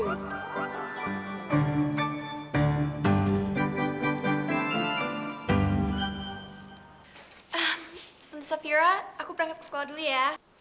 eh tante safira aku berangkat ke sekolah dulu ya